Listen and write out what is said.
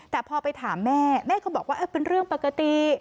แต่พอไปถามแม่แม่ก็บอกว่าเป็นเรื่องปกติ